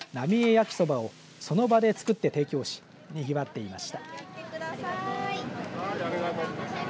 焼きそばをその場で作って提供しにぎわっていました。